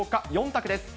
４択です。